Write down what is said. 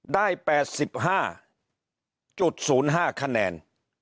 ได้๘๕๐๕คะแนน